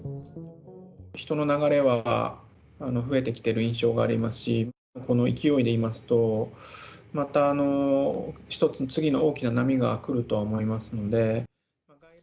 人の流れが増えてきている印象がありますし、この勢いで言いますと、また一つ、次の大きな波が来るとは思いますんで。